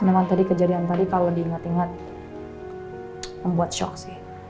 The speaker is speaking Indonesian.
memang tadi kejadian tadi kalau diingat ingat membuat shock sih